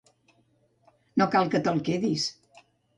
No cal que te'l quedis.